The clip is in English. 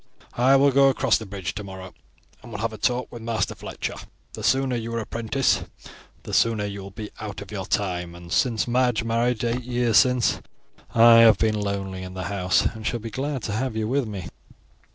I will go across the bridge tomorrow, and will have a talk with Master Fletcher. The sooner you are apprenticed, the sooner you will be out of your time; and since Madge married eight years since I have been lonely in the house and shall be glad to have you with me."